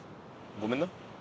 ごめんな。